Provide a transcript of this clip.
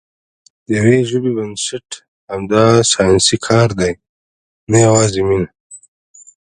د یوې ژبې بنسټ همدا ساینسي کار دی، نه یوازې مینه.